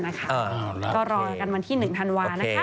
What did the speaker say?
ก็รอกันวันที่๑ธันวานะคะ